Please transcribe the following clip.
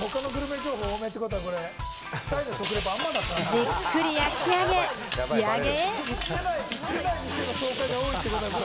じっくり焼き上げ、仕上げ。